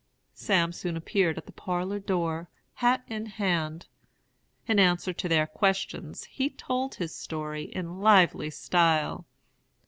"Sam soon appeared at the parlor door, hat in hand. In answer to their questions, he told his story in lively style.